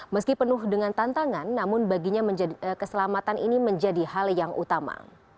meski penuh dengan tantangan namun baginya keselamatan ini menjadi hal yang utama